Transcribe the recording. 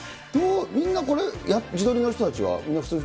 みんなこれ、自撮りの人たちは？